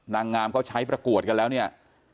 นางงามเขาใช้ประกวดกันแล้วเนี่ย